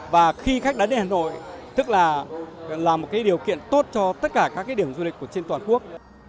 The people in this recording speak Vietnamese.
và khi khách đã đến hà nội tức là một điều kiện tốt cho tất cả các điểm du lịch trên toàn quốc